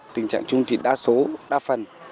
tình trạng chung trị đa số đa phần